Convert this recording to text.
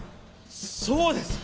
そうです！